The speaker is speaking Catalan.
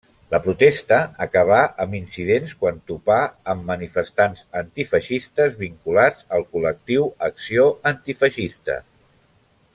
La protesta acabà amb incidents quan topà amb manifestants antifeixistes vinculats al col·lectiu Acció Antifeixista.